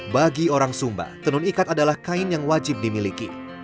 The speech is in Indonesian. bagi orang sumba tenun ikat adalah kain yang wajib dimiliki